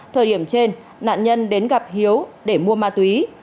thời điểm trên nạn nhân đến gặp hiếu để mua ma túy